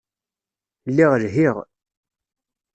Lliɣ lhiɣ.